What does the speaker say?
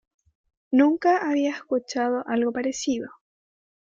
Nunca había escuchado algo parecido".